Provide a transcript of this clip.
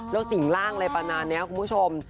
แล้วสิ่งร่างเลยประมาณนี้ครับคุณผู้ชม